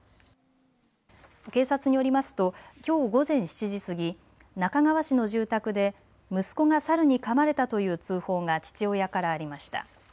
警察によりますときょう午前７時過ぎ、那珂川市の住宅で息子がサルにかまれたという通報が父親からありました。